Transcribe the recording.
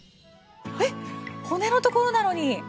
えっ骨のところなのに箸スッと。